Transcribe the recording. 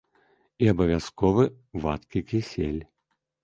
І абавязковы вадкі кісель.